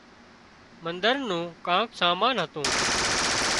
منۮر نُون ڪانڪ سامان هتون